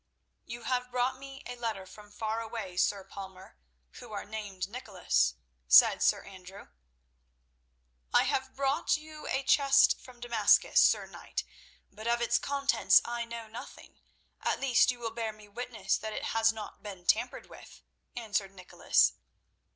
"You have brought me a letter from far away, Sir Palmer, who are named Nicholas," said Sir Andrew. "I have brought you a chest from Damascus, Sir Knight, but of its contents I know nothing. At least you will bear me witness that it has not been tampered with," answered Nicholas.